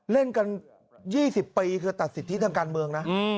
เล่นกัน๒๐ปีคือตัดสิทธิทางการเมืองนะ